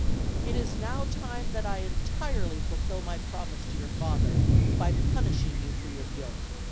It is now time that I entirely fulfill my promise to your father by punishing you for your guilt.